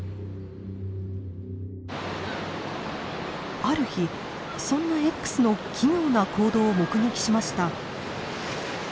ある日そんなＸの奇妙な行動を目撃しました。